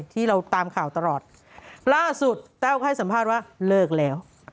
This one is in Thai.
ที่เราตามข่าวตลอดล่าสุดแต้วให้สัมภาษณ์ว่าเลิกแล้ว